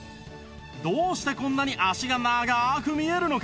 どうしてこんなに脚が長く見えるのか？